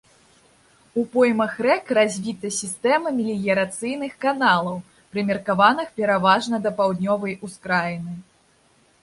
У поймах рэк развіта сістэма меліярацыйных каналаў, прымеркаваных пераважна да паўднёвай ускраіны.